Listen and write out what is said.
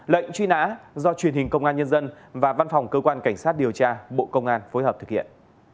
lệnh truy nã do truyền hình công an nhân dân và văn phòng cơ quan cảnh sát điều tra bộ công an phối hợp thực hiện